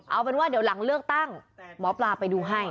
เอาเป็นว่าเดี๋ยวหลังเลือกตั้งหมอปลาไปดูให้